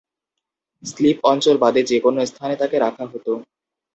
Slip অঞ্চল বাদে যে-কোন স্থানে তাকে রাখা হতো।